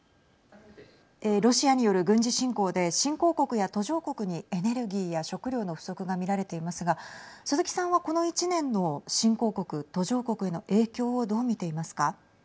ロシアによる軍事侵攻で新興国や途上国にエネルギーや食料の不足が見られていますが鈴木さんはこの１年の新興国・途上国への影響をどう見ていますか。